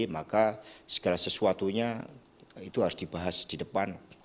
maka segala sesuatunya itu harus dibahas di depan